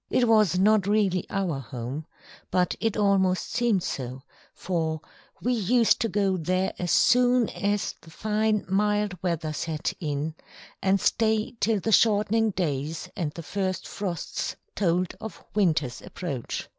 It was not really our home, but it almost seemed so, for we used to go there as soon as the fine mild weather set in, and stay till the shortening days and the first frosts told of winter's approach.